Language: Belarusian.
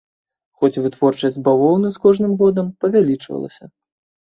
Хоць вытворчасць бавоўны з кожным годам павялічвалася.